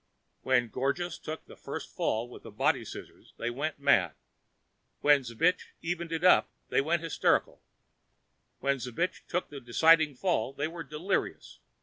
When Gorgeous took the first fall with a body scissors, they went mad; when Zbich evened it up, they went hysterical; when Zbich took the deciding fall, they were delirious.